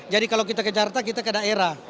jadi kalau kita ke jarta kita ke daerah